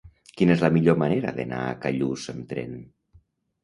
Quina és la millor manera d'anar a Callús amb tren?